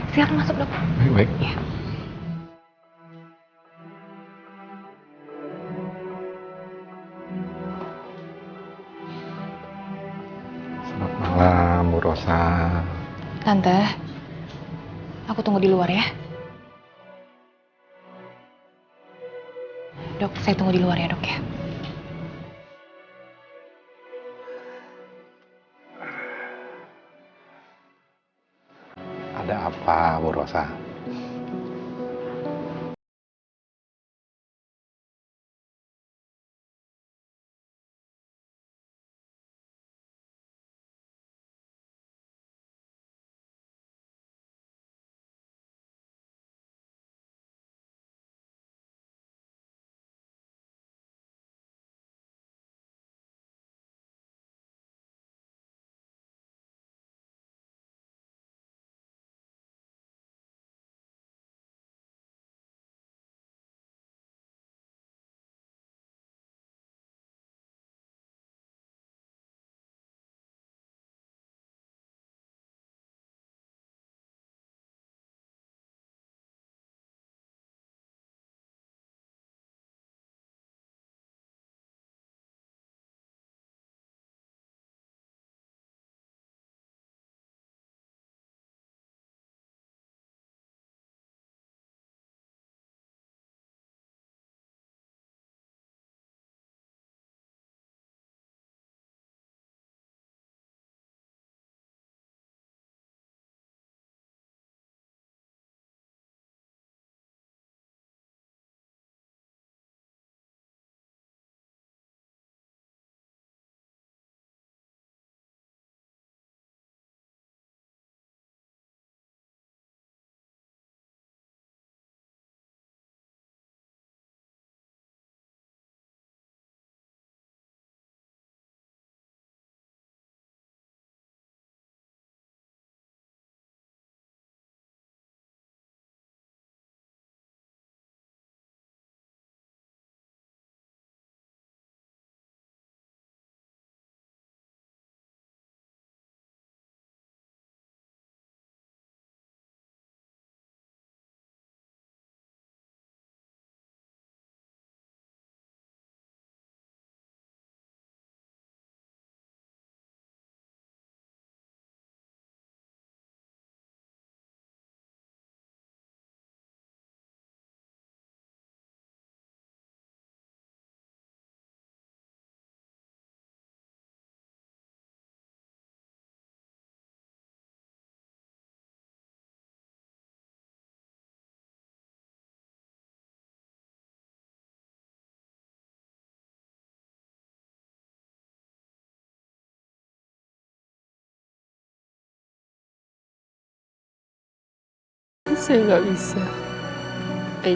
semoga besok bu rosa sudah lebih baik ya maya